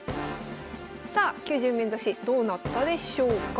さあ９０面指しどうなったでしょうか。